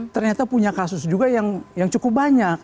ternyata punya kasus juga yang cukup banyak